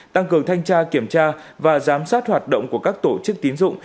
tăng cường thanh tra kiểm tra và giám sát hoạt động của các tổ chức tín dụng